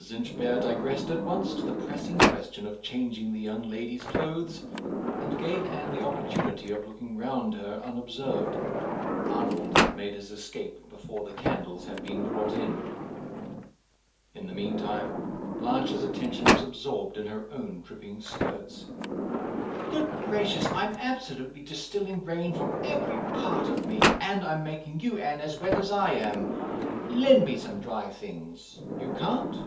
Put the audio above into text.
Inchbare digressed at once to the pressing question of changing the young lady's clothes, and gave Anne the opportunity of looking round her, unobserved. Arnold had made his escape before the candles had been brought in. In the mean time Blanche's attention was absorbed in her own dripping skirts. "Good gracious! I'm absolutely distilling rain from every part of me. And I'm making you, Anne, as wet as I am! Lend me some dry things. You can't?